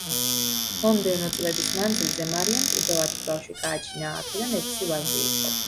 მომდევნო წლების მანძილზე, მარიამ კიდევ ათი ბავშვი გააჩინა, აქედან ექვსი ვაჟი იყო.